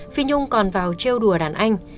phi nhung còn vào treo đùa đàn anh